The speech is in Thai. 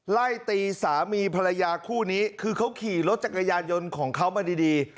ไล่ตีสามีภรรยาคู่นี้คือเขาขี่รถจักรยานยนต์ของเขามาดี